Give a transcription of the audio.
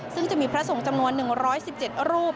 ซึ่งจะมีพระสงฆ์จำนวน๑๑๗รูป